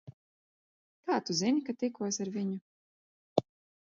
Kā Tu zini, ka tikos ar viņu?